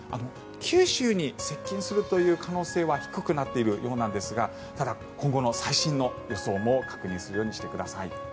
九州に接近するという可能性は低くなっているようなんですがただ、今後の最新の予想も確認するようにしてください。